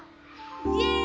イエイ！